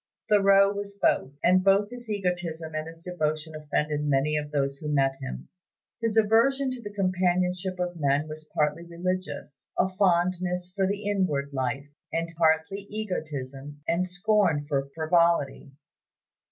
Thoreau was both, and both his egotism and his devotion offended many of those who met him. His aversion to the companionship of men was partly religious a fondness for the inward life and partly egotism and scorn for frivolity.